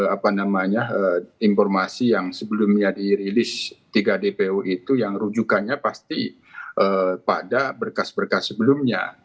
apa namanya informasi yang sebelumnya dirilis tiga dpo itu yang rujukannya pasti pada berkas berkas sebelumnya